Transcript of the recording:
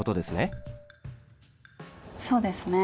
そうですね。